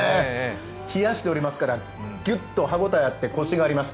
冷やしておりますから、ギュッと歯応えがあってコシがあります。